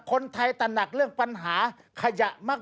คนไทยตระหนักเรื่องปัญหาขยะมาก